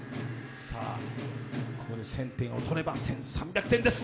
ここで１０００点を取れば１３００点です。